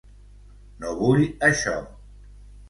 No vull això.